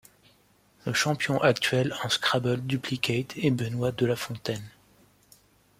Le champion actuel en Scrabble duplicate est Benoît Delafontaine.